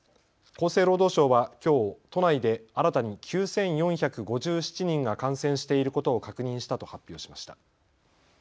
厚生労働省はきょう、都内で新たに９４５７人が感染していることを確認したと発表しました。